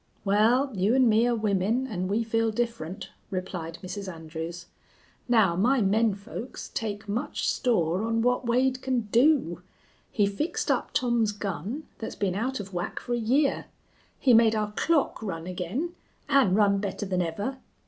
"Wal, you an' me are women, an' we feel different," replied Mrs. Andrews. "Now my men folks take much store on what Wade can do. He fixed up Tom's gun, that's been out of whack for a year. He made our clock run ag'in, an' run better than ever.